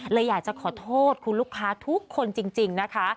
เลยอยากจะขอโทษคุณลูกค้าทุกคนจริงนะคะ